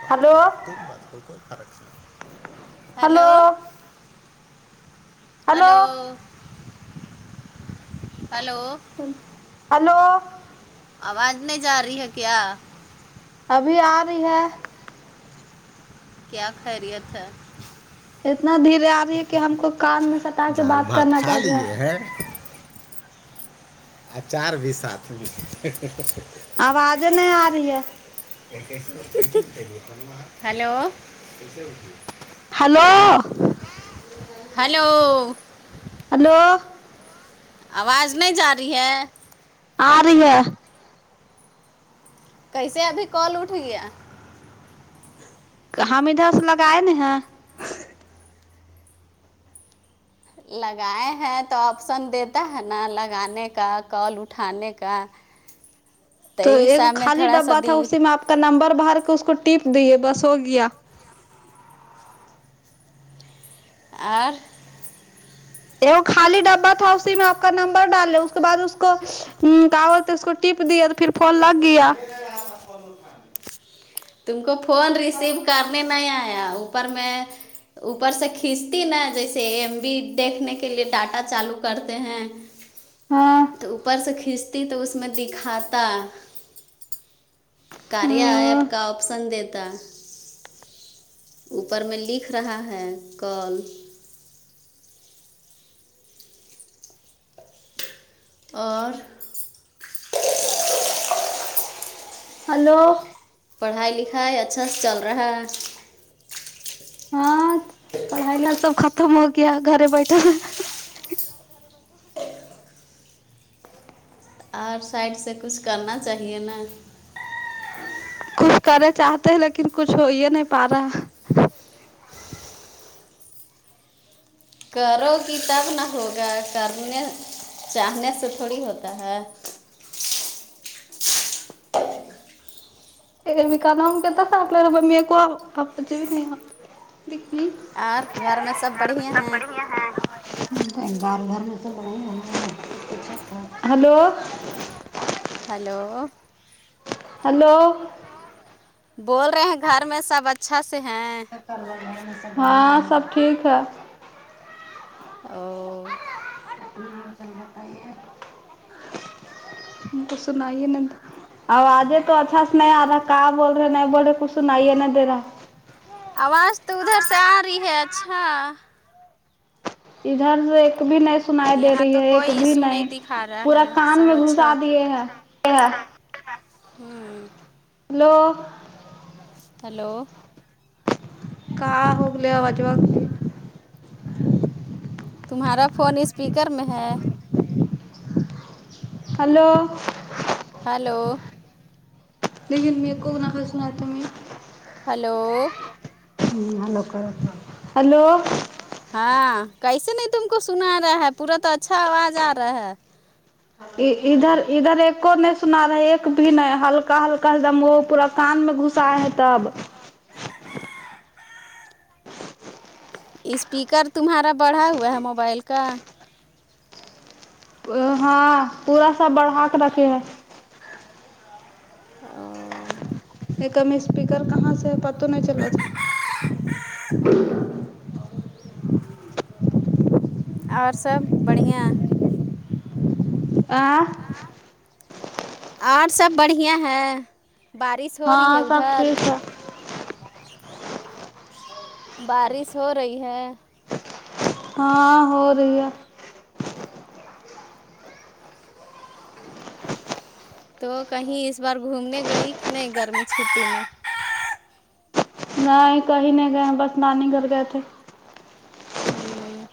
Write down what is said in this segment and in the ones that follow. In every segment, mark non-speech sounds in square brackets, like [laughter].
بات کرو تم بات کو کوئی فرق نہیں ہلو ہلو ہلو ہلو آواز نہیں جا رہی ہے کیا ابھی آ رہی ہے کیا خیریت ہے اتنا دھیرے آ رہی ہے کہ ہم کو کان میں سٹا کے بات کرنا پڑ رہا ہے آ چار بھی سات میں آوازیں نہیں آ رہی ہے ہلو ہلو ہلو آواز نہیں جا رہی ہے آ رہ ہے کیسے ابھی کال اٹھ گیا ہم ادھر سے لگائے ن ہیں لگائے ہیں تو آپشن دیتا ہے نا لگانے کا کال اٹھانے کا ج تو ایک خالی ڈبا تھا اسی میں آپ کا نمبر بار کے اس کو ٹپ دیے بس ہو گیا اور وہ خالی ڈبا تھا اسی میں آپ کا نمبر ڈال لے اس کے بعد اس کو ہ کاغذ تو اس کو ٹپ دیا تو پھر پھون لگ گیا تم کو فون ریسیو کرنے نہیں آیا اوپر میں اوپر سے کھینچتی نا جیسے ایم بی دیکھنے کے لیے ڈاٹا چالو کرتے ہیں ہاں تو اوپر سے کھینچتی تو اس میں دکھاتا کاریا ایپ کا آپشن دیتا اوپر میں لکھ رہا ہے کل [unintelligible] اور ہلو پڑھائی لکھائی اچھا سے چل رہا ہے پڑھائی ل سب ختم ہو گیا گھر بیٹھا اور سائڈ سے کچھ کرنا چاہیے نا کچھ کرے چاہتے ہیں لیکن کچھ ہو ہی نہیں پا رہا کرو گی تب ن ہوگا کرنے چاہنے سے تھوڑی ہوتا ہے میں کہتا تھا اپبمی کو ہپ بھی نہیں لیکنی اور گھر میں سب بڑھیا ہیں گھر میں ہلو ہلو ہلو بول رہے ہیں گھر میں سب اچھا سے ہیں ہاں سب ٹھیک ہے ہاں ہاں کوسنائی ہے نندا آجے تو اچھا سے نہیں آ رہا کہاں بول رہے نہیں بول رہے کچھ سنائیے نہیں دے رہا آواز تو ادھر سے آ رہی ہے اچھا ادھر ایک بھی سنائی دے رہی ہے ایک بھی نہیں پورا کان میں گھسا دیے ہے ہوں ہیلو ہلو کا ہوگل آوج تمہارا فون اسپیکر میں ہے ہلو ہلو لیکن میرے کونا سن میں ہلو ہیلو کرو ہلو ہاں کیسے نہیں تم کو سنا رہا ہے پورا تو اچھا آواز آ رہا ہے ادھر ادھر ایک کو نہیں سنا رہا ایک بھی نہیں ہلکا ہلکا ایک دم وہ پورا کستان میں گھس ہے تب اسپیکر تمہارا بڑھا ہوا ہے موبائل کا ہاں پورا ساب بڑھا کے رکھے ہے او [unintelligible] ایک میں اسپیکر کہاں سے پتہ نہیں چلت اور سب بڑھیا آ اور سب بڑھیا ہے بارش ہو رہی ہے ادھر بارش ہو رہی ہے ہاں ہو رہی ہے تو کہیں اس بار گھومنے گئی کہ نہیں گرمی چتی میں نہیں کہیں نہیں گئے بس نانی گھر گئے تھے ہوں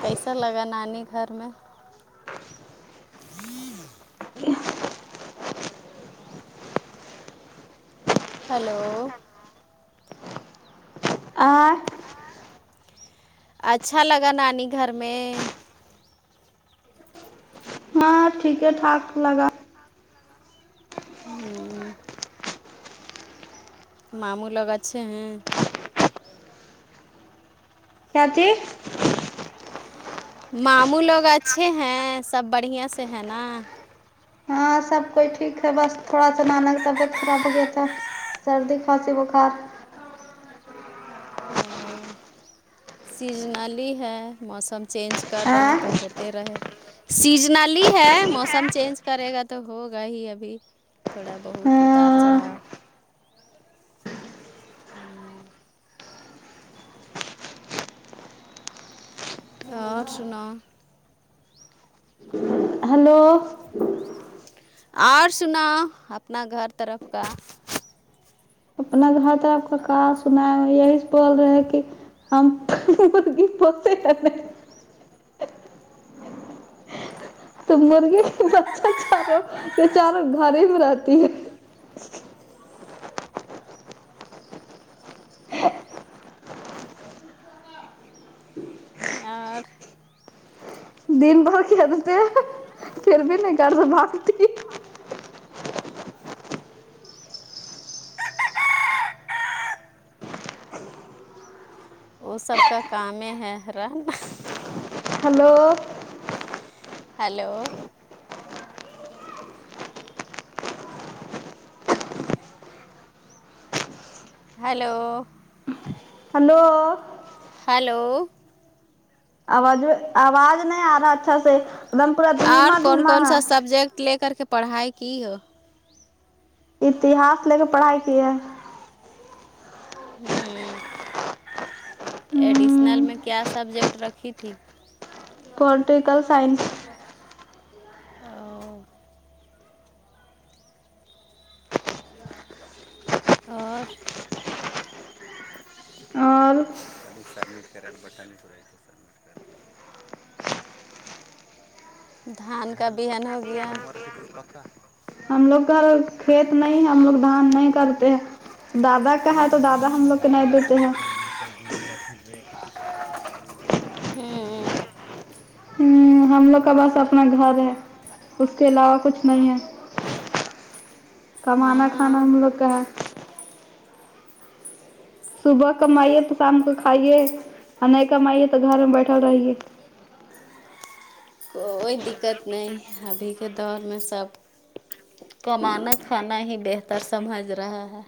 کیسا لگا نانی گھر میں ہوں ہلو آٹھ اچھا لگا نانی گھر میں ہاں ٹھیک ٹھاک لگا جی ماموں لگ اچھے ہیں کیا تھی ماموں لوگ اچھے ہیں سب بڑھیا سے ہیں نا ہاں سب کوئی ٹھیک ہے بس تھوڑا سا نانا کا طبیعت خراب ہو گیا تھا سردی کھانسی بخار او سیزنلی ہے موسم چینج کر رہا ہے تو ہو رہے سیزنلی ہے موسم چینج کرے گا تو ہوگا ہی ابھی تھوڑا بہت اتار چڑھا اور سناو ہلو اور سناؤ اپنا گھر طرف کا اپ نے گھر طرف کا کہا سنایا یہی بول رہے ہے کہ ہم پوستے کرتے تو مرغے کی بچہ چاروں یہ چاروں گھر ہی میں رہتی ہے اور دن بھر کھیلتے ہیں پھر بھی نہیں کر س بھاگتے آ سب کا کام ہے رہن hello hello hello hello hello آواز میں آواز نہیں آ رہا اچھا سے اور کون کون سا سبجیکٹ لے کر کے پڑھائی کی ہو اتہس لے کے پڑھائی کی ہے ہوں ایڈیشنل میں کیا سبجیکٹ رکھی تھی پولیٹیکل سائنس او اور اور ابھی سبمٹ کرے کے بٹن تھڑے سب دھان کا بہن ہو گیا ہم لوگ گھر کھیت نہیں ہم لوگ دھان نہیں کرتے ہیں دادا کا ہے تو دادا ہم لگ کےن نہیں دیتے ہیں ہوں ہم لوگ کا بس اپنا گھر ہے اس کے علاوہ کچھ نہیں ہے کمانا کھانا ہم لوگ کا ہے صبح کمائیے تو شام کو کھائیے اور نہیں کمائیے تو گھر میں بیٹھل رہیے کوئی دقت نہیں ابھی کے دور میں سب کمانا کھانا ہی بہتر سمجھ رہا ہے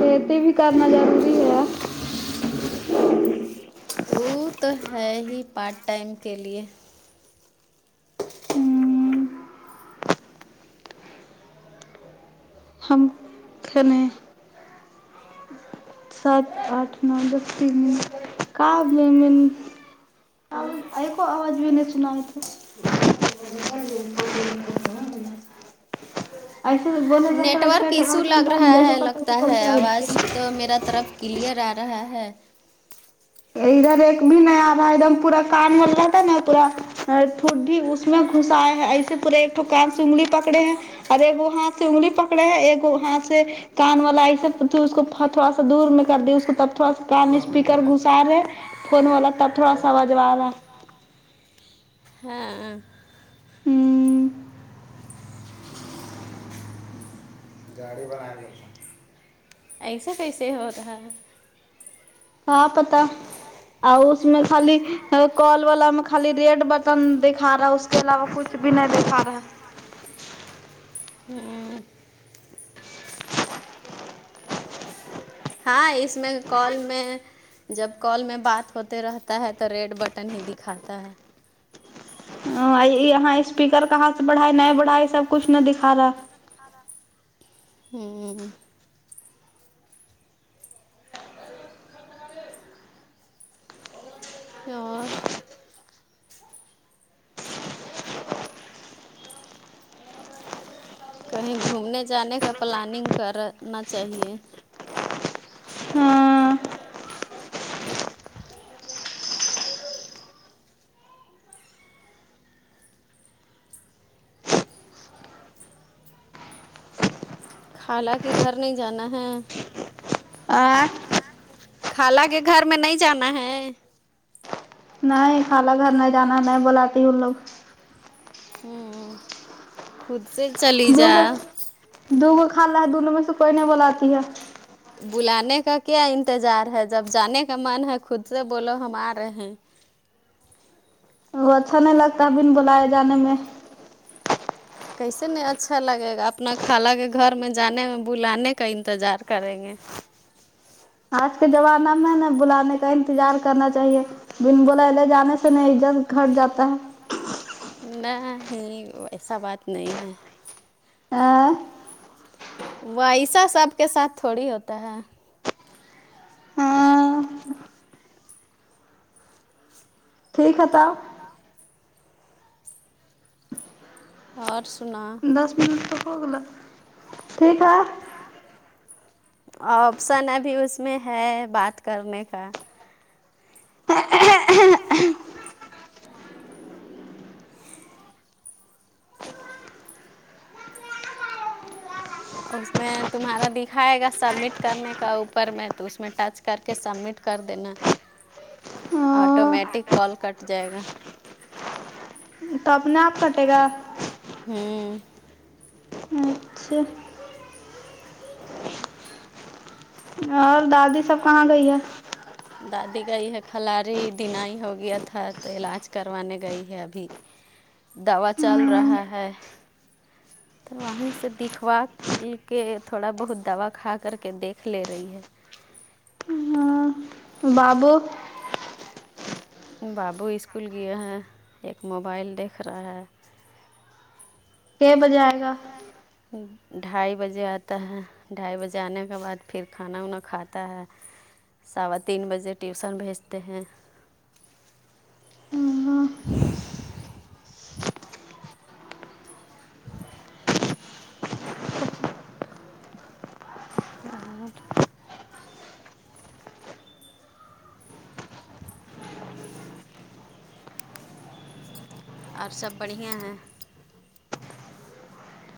توت بھی کرنا جاہا ا تو ہے ہی پارٹ ٹائم کے لیے ہم کنے سات آٹھ نو دس تین من قابل م نے ایکو آواز بھی نہیں سنا تھے ایسے نیٹورک ایشو لگ رہا ہے لگتا ہے آواز تو میرا طرف کلیئر آ رہا ہے ادھر ایک بھی نہیں آ رہا ہے ایک دم پورا کان ہل رہا تھا نا پورا بھی اس میں گھس آئے ہیں ایسے پورے ایک ٹکان سے انگلی پکڑے ہیں ارے وہ ہاتھ سے انگلی پکڑے ہیں ایک وہ ہاتھ سے کان والا ایسا اس کو تھوڑا سا دور میں کر دی اس تب تھوڑا کان اسپیکر گس رہے فون والا تب تھوڑا سامجھوا آ رہا ہے ہاں ہوں گاڑی بنہ رہے گ ایسا کیسے ہو رہ ہے آپ پتا اور اس میں خالی کال والا میں خالی ریڈ بٹن دکھا رہا ہے اس کے علاوہ کچھ کچ بھی نہیں دیکھا رہا ہیں ہوں ہاں اس میں کال میں جب کال میں بات ہوتے رہتا ہے تو ریڈ بٹن ہی دکھاتا ہے ا یہاں اسپیکر کہاں سے بڑاائے نہیں بڑھائے سب کچھ نہ دکھا رہا ہے ہوں اور کہیں گھومنے جانے کا پلاننگ کرنا چاہیے خالہ کے گھر نہیں جانا ہے آں خالہ کے گھر میں نہیں جانا ہے نہیں خالا گھر نہیں جانا نہیں بلاتی ان لوگ ہوں خود سے چلی جا دو گو کھالا ہے دونوں میں سے کوئی نہیں بلاتی ہے بلانے کا کیا انتظار ہے جب جانے کا من ہے خود سے بولو ہم آ رہے ہیں وہ اچھا نہیں لگتا ہے بن بلائے جانے میں کیسے نہیں اچھا لگے گا اپنا خالا کے گھر میں جانے میں بلانے کا انتظار کریں گے آج کے زمانہ میں نا بلانے کا انتظار کرنا چاہیے بن بل ل جانے سے نہی جن گھٹ جاتا ہے نہیں ہی ایسا بات نہیں ہے و ایسہ سب کے ساتھ تھوڑی ہوتا ہے ٹھیک ہے تب اور سنا توک گلا ٹھیک ہے [unintelligible] آپشن ابھی اس میں ہے بات کرنے کا اس میں تمہارا دکھائے گا سبمٹ کرنے کا اوپر میں تو اس میں ٹچ کر کے سبمٹ کر دینا [inaudible] آٹومیٹک کال کٹ جائے گا تو اپنا آپ کٹے گا ہوں اچھے اور دادا اور دادا دادی سب کہ گئی دادی گئی ہے کھلاری دن ہی ہو گیا تھا تو علاج کروانے گئی ہے ابھی دوا چل رہا ہے تو وہیں سے دکھوا دل کے تھوڑا بہت دوا کھا کر کے دیکھ لے رہی ہے ہاں بابو بابو اسکول گیا ہے ایک موبائل دیکھ رہا ہے کی بجے آئے گا ہوں [inaudible] ڈھائی بجے آتا ہے ڈھائی بجے آنے کے بعد پھر کھانا وانا کھاتا ہے صوا تین بجے ٹیوشن بھیجتے ہیں ا بد [inaudible] اور سب بڑھیا ہیں